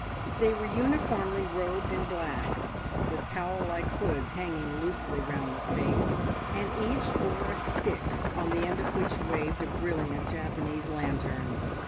They were uniformly robed in black, with cowl like hoods hanging loosely round the face, and each bore a stick, on the end of which waved a brilliant Japanese lantern.